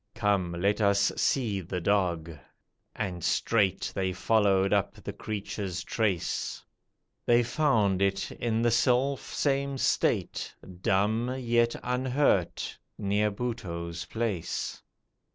Come, let us see the dog," and straight They followed up the creature's trace. They found it, in the selfsame state, Dumb, yet unhurt, near Buttoo's place.